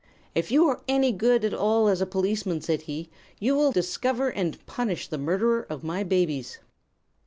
"'If you are any good at all as a policeman,' said he, 'you will discover and punish the murderer of my babies.'